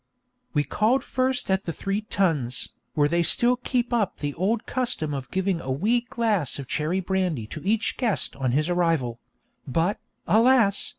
We called first at the Three Tuns, where they still keep up the old custom of giving a wee glass of cherry brandy to each guest on his arrival; but, alas!